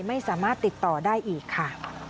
ไม่สามารถติดต่อได้อีกค่ะ